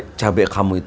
kulah pong mani